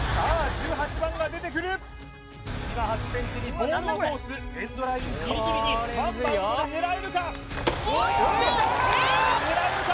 １８番が出てくる隙間８ｃｍにボールを通すエンドラインギリギリにワンバウンドで狙えるかおーいった！